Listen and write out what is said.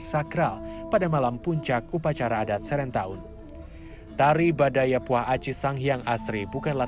sampai jumpa di video selanjutnya